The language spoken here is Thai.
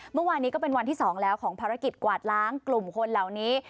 เมื่อวานนี้ก็เป็นวันที่๒แล้วของภารกิจกวาดล้างกลุ่มคนเหล่านี้